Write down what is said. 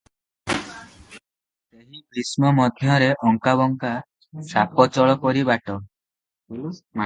ସେହି ଭୀଷ୍ମ ମଧ୍ୟରେ ଅଙ୍କା ବଙ୍କା ସାପଚଳ ପରି ବାଟ ।